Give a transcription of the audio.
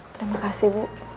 terima kasih bu